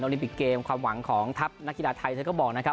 ลิมปิกเกมความหวังของทัพนักกีฬาไทยเธอก็บอกนะครับ